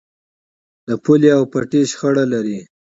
د پولې او پټي شخړه لرئ؟